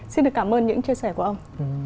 xin được cảm ơn những chia sẻ của ông